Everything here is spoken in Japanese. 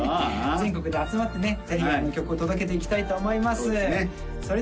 全国で集まってねぜひ曲を届けていきたいと思いますそうですね